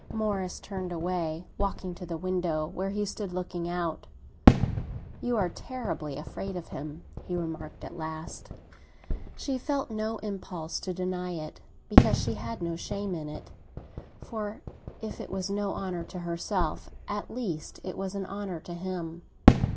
Morris turned away, walking to the window, where he stood looking out. "You are terribly afraid of him!" he remarked at last. She felt no impulse to deny it, because she had no shame in it; for if it was no honour to herself, at least it was an honour to him.